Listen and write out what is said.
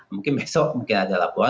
mungkin besok mungkin ada laporan